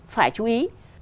phải chú ý